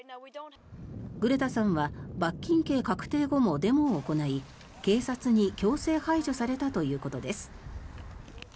グレタさんは罰金刑確定後もデモを行い警察に強制排除されたということです。